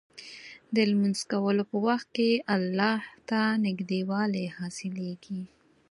د لمونځ کولو په وخت کې الله ته نږدېوالی حاصلېږي.